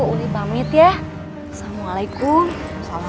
bukan kamu yang harus melakukannya